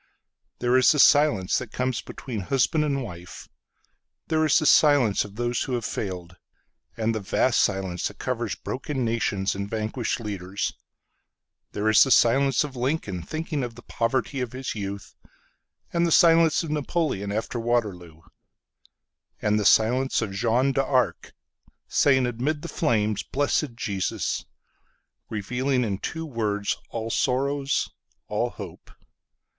There is the silence that comes between husband and wife. There is the silence of those who have failed; And the vast silence that coversBroken nations and vanquished leaders. There is the silence of Lincoln, Thinking of the poverty of his youth. And the silence of NapoleonAfter Waterloo.And the silence of Jeanne d'ArcSaying amid the flames, "Blessed Jesus"—Revealing in two words all sorrows, all hope.